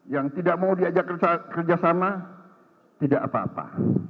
yang tidak mau diajak kerjasama tidak apa apa